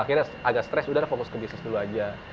akhirnya agak stres udah fokus ke bisnis dulu aja